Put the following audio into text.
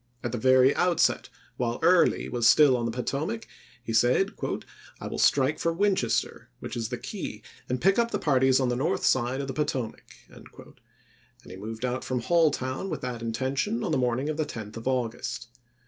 At the very outset, while Early was still on the Potomac, he said, "I will strike for Winchester, which is the key, and pick up the parties on the north side of the Potomac "; and he moved out from Halltown with that intention on the morning of the 10th of August.